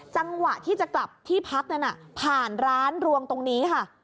จังหวะที่จะกลับที่พักนั้นผ่านร้านรวงตรงนี้ค่ะ